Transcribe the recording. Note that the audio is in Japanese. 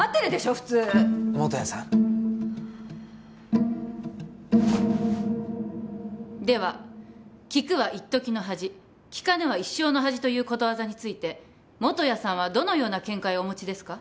普通本谷さんでは聞くは一時の恥聞かぬは一生の恥ということわざについて本谷さんはどのような見解をお持ちですか？